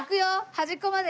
端っこまで。